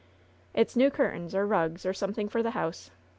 "It's new curtains, or rugs, or something for the house.